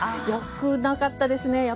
良くなかったですね。